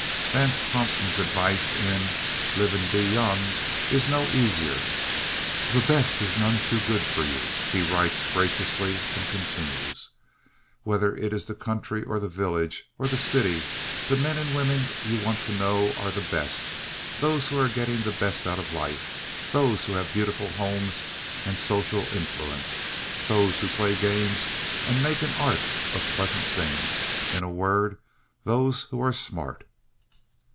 Vance Thompson's advice in Live and Be Young is no easier. "The best is none too good for you," he writes graciously, and continues: "Whether it is the country or the village or the city, the men and women you want to know are the best those who are getting the best out of life those who have beautiful homes and social influence those who play games and make an art of pleasant things in a word, those who are smart."